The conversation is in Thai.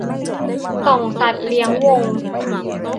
ส่องสัตว์เลี้ยงวง